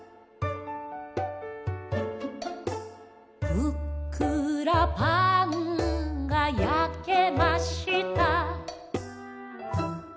「ふっくらパンが焼けました」